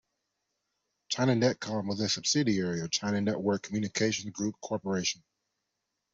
China Netcom was a subsidiary of China Network Communications Group Corporation.